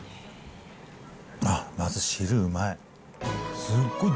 あっ、まず、汁うまい。